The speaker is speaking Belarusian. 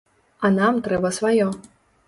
А нам трэба сваё.